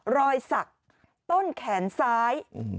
รอยสักต้นแขนซ้าย